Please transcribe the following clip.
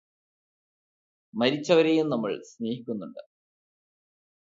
മരിച്ചവരെയും നമ്മള് സ്നേഹിക്കുന്നുണ്ട്